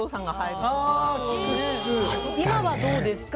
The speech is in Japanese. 今はどうですか？